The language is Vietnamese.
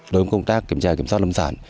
đối với công tác kiểm tra kiểm soát lâm sản